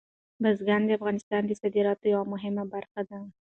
بزګان د افغانستان د صادراتو یوه مهمه برخه ده.